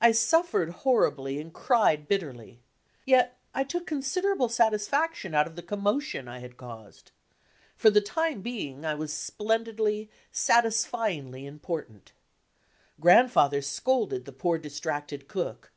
I suffered horribly and cried bitterly; yet I took consid erable satisfaction out of the commotion I had caused. For the time being I was splendidly, satisfyingly important. Grandfather scolded the poor, distracted cook.